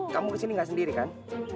kamu kesini gak sendiri kan